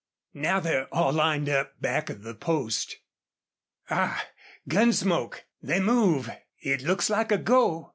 Now they're all lined up back of the post.... Ah! gun smoke! They move.... It looks like a go."